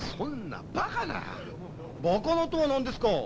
バカなとは何ですか。